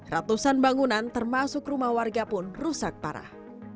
ratusan bangunan termasuk rumah warga pun rusak parah